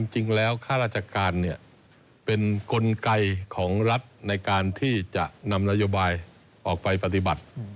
ค่าราชการเป็นกลไกของรัฐในการที่จะนำนโยบายออกไปปฏิบัติ